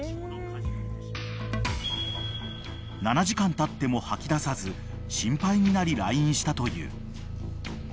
［７時間たっても吐き出さず心配になり来院したという］